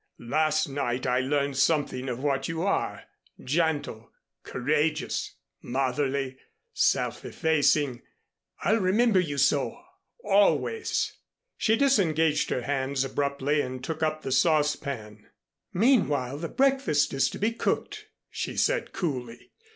Last night I learned something of what you are gentle, courageous, motherly, self effacing. I'll remember you so always." She disengaged her hands abruptly and took up the saucepan. "Meanwhile, the breakfast is to be cooked " she said coolly.